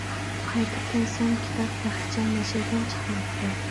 قايتىپ كەلسەم، كىتاب تېخىچە نەشردىن چىقماپتۇ.